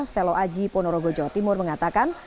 selo aji ponorogo jawa timur mengatakan